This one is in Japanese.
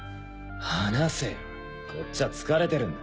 離せよこっちは疲れてるんだ。